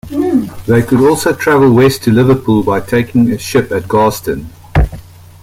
They could also travel west to Liverpool by taking a ship at Garston.